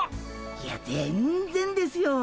いや全然ですよ。